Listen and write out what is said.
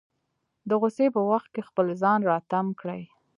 د غوسې په وخت کې خپل ځان راتم کړي.